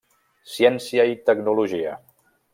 Ciència i Tecnologia.